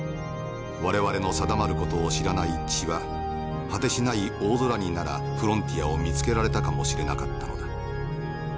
我々の定まる事を知らない血は果てしない大空にならフロンティアを見つけられたかもしれなかったのだ。